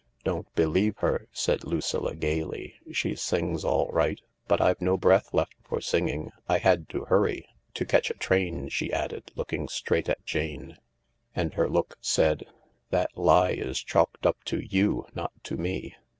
"Don't believe her," said Lucilla gaily ; "she sings all right. But I've no breath left for singing, I had to hurry. To catch a train," she added, looking straight at Jane. And her look said, " That lie is chalked up to you, not to me.